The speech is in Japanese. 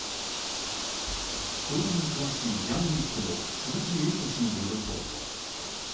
教団に詳しいジャーナリストの鈴木エイト氏によると。